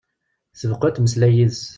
Tbeqqu ad temmeslay yid-s.